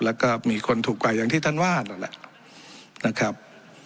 แล้วก็มีคนถูกกว่าอย่างที่ท่านว่านั่นแหละนะครับ